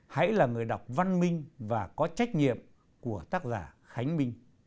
hãy là người đọc văn minh và có trách nhiệm của tác giả khánh minh